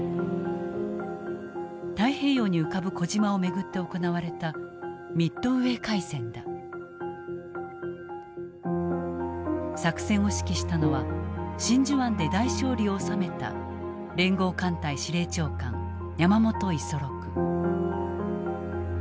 太平洋に浮かぶ小島を巡って行われた作戦を指揮したのは真珠湾で大勝利を収めた連合艦隊司令長官山本五十六。